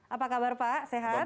apa kabar pak sehat